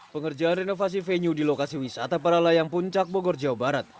pengerjaan renovasi venue di lokasi wisata para layang puncak bogor jawa barat